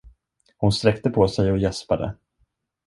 Hon sträckte på sig och gäspade.